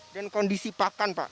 dan kondisi pakan pak